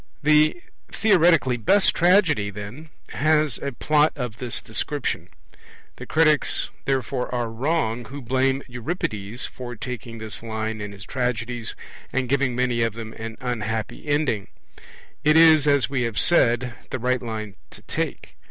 The theoretically best tragedy, then, has a Plot of this description. The critics, therefore, are wrong who blame Euripides for taking this line in his tragedies, and giving many of them an unhappy ending. It is, as we have said, the right line to take.